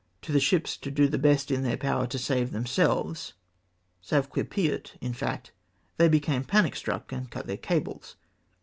said) ' to the ships to do the best in their power to save them selves — sauve qui pent, in fact — they became panic struck, and cut their cables.